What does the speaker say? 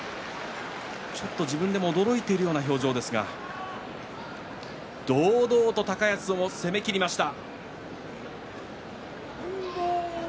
ちょっと自分でも驚いているような表情ですが堂々と高安を攻めきりました。